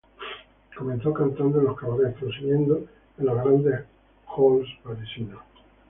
Comenzó cantando en los cabarets, prosiguiendo en los grandes halls parisinos.